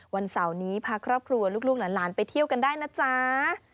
วันเสาร์นี้พาครอบครัวลูกหลานไปเที่ยวกันได้นะจ๊ะ